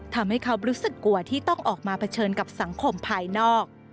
ทำให้เขารู้สึกกลัวที่ต้องออกมาเผชิญกับสังคมภายนอก